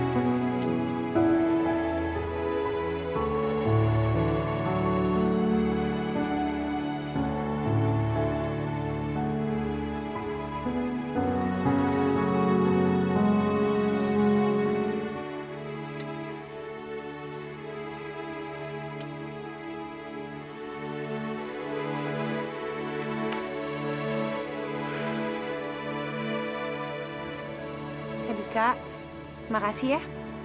terima kasih ya